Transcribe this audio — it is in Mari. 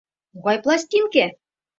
— Могай пластинке?